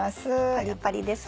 パリパリです。